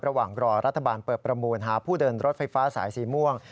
ระหว่างรอรัฐบาลเปิดประมูลหาผู้เดินรถไฟฟ้าสายสีม่วง